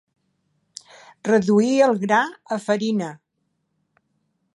Reduir el gra a farina.